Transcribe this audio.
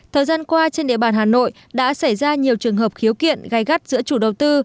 thời gian qua trên địa bàn hà nội đã xảy ra nhiều trường hợp khiếu kiện gai gắt giữa chủ đầu tư